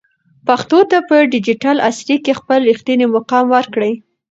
پښتو ته په ډیجیټل عصر کې خپل رښتینی مقام ورکړئ.